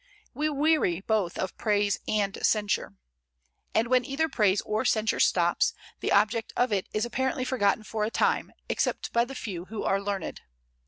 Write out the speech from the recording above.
We weary both of praise and censure. And when either praise or censure stops, the object of it is apparently forgotten for a time, except by the few who are learned.